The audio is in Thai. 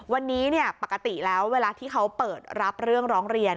วันนี้ปกติแล้วเวลาที่เขาเปิดรับเรื่องร้องเรียน